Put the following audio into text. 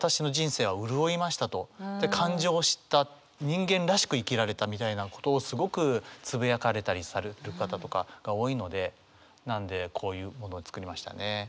人間らしく生きられたみたいなことをすごくつぶやかれたりされる方とかが多いのでなんでこういうものを作りましたね。